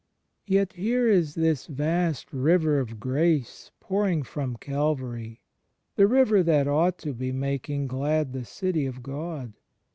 Yet here is this vast river of grace pouring from Calvary, the river that ought to be making glad the City of God.